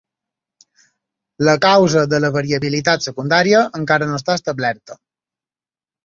La causa de la variabilitat secundària encara no està establerta.